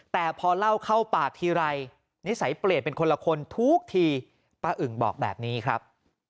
แต่พอเล่าเข้าปากทีไรนิสัยเปลี่ยนเป็นคนละคนทุกทีป้าอึ่งบอกแบบนี้ครับ